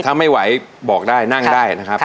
ถ้าไม่ไหวบอกได้นั่งได้นะครับ